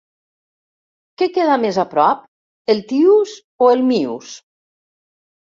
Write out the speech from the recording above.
Què queda més a prop, el Tius o el Mius?